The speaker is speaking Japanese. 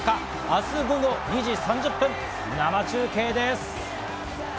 明日午後２時３０分、生中継です。